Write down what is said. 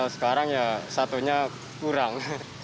sekarang satunya kurang